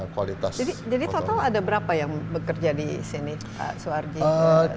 jadi total ada berapa yang bekerja disini